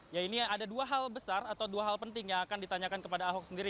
ya ini ada dua hal besar atau dua hal penting yang akan ditanyakan kepada ahok sendiri